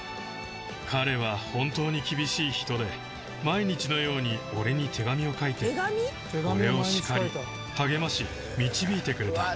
彼は本当に厳しい人で、毎日のように俺に手紙を書いて、俺を叱り、励まし、導いてくれた。